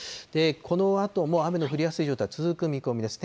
このあとも雨の降りやすい状態続く見込みです。